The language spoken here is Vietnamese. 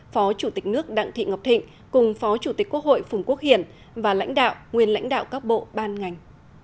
phó chủ tịch nước đặng thị ngọc thịnh cùng phó chủ tịch quốc hội phùng quốc hiển và lãnh đạo nguyên lãnh đạo các bộ ban ngành